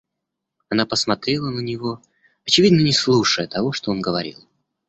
Она посмотрела на него, очевидно не слушая того, что он говорил.